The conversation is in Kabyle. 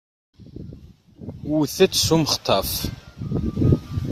Wwtet s umextaf.